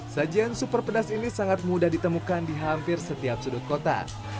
sajian super pedas ini sangat mudah ditemukan di hampir setiap sudut kota